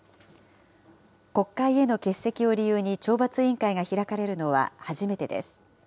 国会への欠席を理由に懲罰委員会が開かれるのは初めてです。